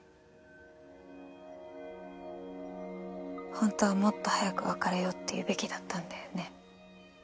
本当はもっと早く別れようって言うべきだったんだよね。